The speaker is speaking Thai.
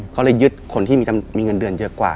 เขาเลยยึดคนที่มีเงินเดือนเยอะกว่า